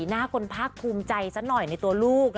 หน้าคนภาคภูมิใจสักหน่อยในตัวลูก